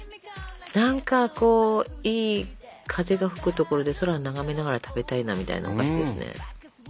何かこういい風が吹く所で空を眺めながら食べたいなみたいなお菓子ですね。